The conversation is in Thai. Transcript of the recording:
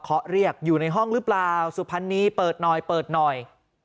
เขาเรียกอยู่ในห้องหรือเปล่าสุพรรณีเปิดหน่อยเปิดหน่อย